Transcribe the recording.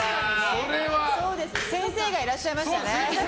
先生がいらっしゃいましたね。